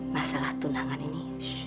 masalah tunangan ini